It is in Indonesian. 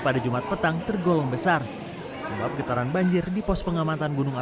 pada jumat petang tergolong dari kota puncak dan juga di manjarinan kembali ke kota tengah jogja